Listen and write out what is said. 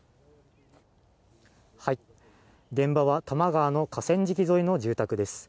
現場は多摩川の河川敷沿いの住宅です